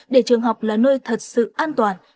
để trường học là nơi thật sự an toàn